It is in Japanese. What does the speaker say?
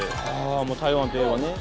台湾といえばね。